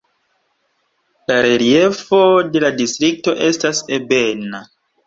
La reliefo de la distrikto estas ebena.